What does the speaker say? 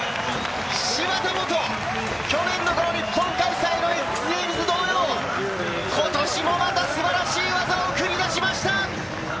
芝田モト、去年のこの日本開催のＸＧａｍｅｓ同様、今年もまた、素晴らしい技を繰り出しました。